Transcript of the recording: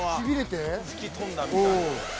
吹き飛んだみたいな。